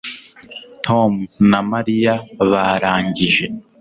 tom na mariya barangije